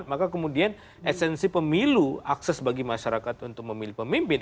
maka kemudian esensi pemilu akses bagi masyarakat untuk memilih pemimpin